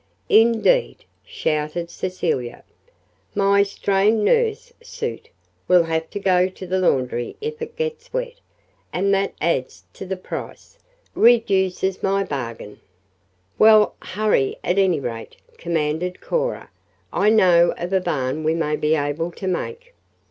"Indeed," shouted Cecilia, "my 'strained' nurse suit will have to go to the laundry if it gets wet, and that adds to the price reduces my bargain." "Well, hurry, at any rate," commanded Cora. "I know of a barn we may be able to make."